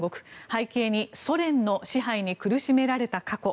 背景にソ連の支配に苦しめられた過去。